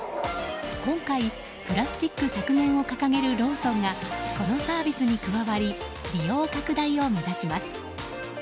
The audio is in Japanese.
今回、プラスチック削減を掲げるローソンがこのサービスに加わり利用拡大を目指します。